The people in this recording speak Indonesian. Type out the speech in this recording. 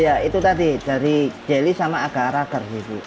ya itu tadi dari jelly sama agar agar gitu